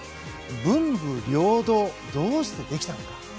文武両道、どうしてできたのか。